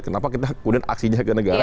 kenapa kita kemudian aksinya ke negara